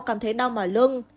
cảm thấy đau mỏi lưng